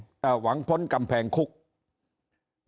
นี่คือเหตุผลว่าทำไมต้องมีกฎหมายฉบับนี้